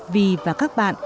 vi và các bạn